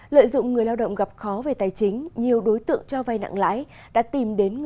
lợi dụng người lao động gặp khó về tài chính nhiều đối tượng cho vay nặng lãi